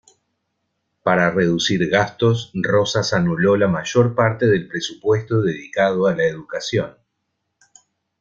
Para reducir gastos, Rosas anuló la mayor parte del presupuesto dedicado a la educación.